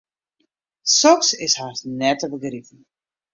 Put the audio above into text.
Soks is hast net te begripen.